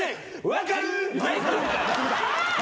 分かる？